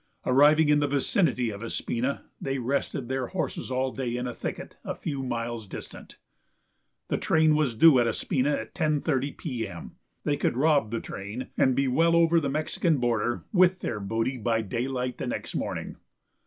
Arriving in the vicinity of Espina they rested their horses all day in a thicket a few miles distant. The train was due at Espina at 10.30 P.M. They could rob the train and be well over the Mexican border with their booty by daylight the next morning.